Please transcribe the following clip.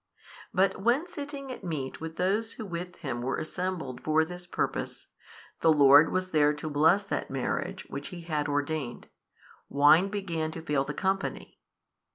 But when sitting at meat with those who with Him were assembled for this purpose, the Lord was there to bless that marriage which He had ordained, wine began to fail the company.